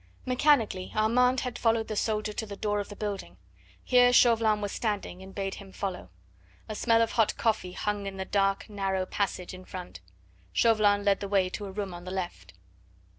Mechanically Armand had followed the soldier to the door of the building. Here Chauvelin was standing, and bade him follow. A smell of hot coffee hung in the dark narrow passage in front. Chauvelin led the way to a room on the left.